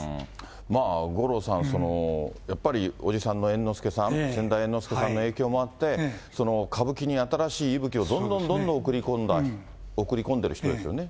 まあ、五郎さん、やっぱり伯父さんの猿之助さん、先代猿之助さんの影響もあって、歌舞伎に新しい息吹をどんどんどんどん送り込んでる人ですよね。